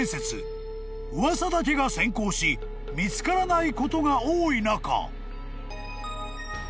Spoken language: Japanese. ［噂だけが先行し見つからないことが多い中］